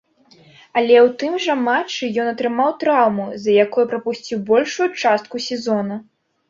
Але ў тым жа матчы ён атрымаў траўму, з-за якой прапусціў большую частку сезона.